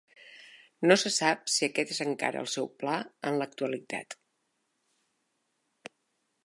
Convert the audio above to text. No se sap si aquest és encara el seu pla en l'actualitat.